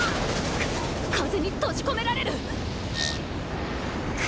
風に閉じ込められる！